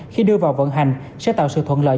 khi đưa vào vận hành sẽ tạo sự thuận lợi